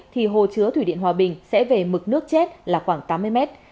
thì hồ chứa thủy điện hòa bình sẽ về mực nước chết là khoảng tám mươi mét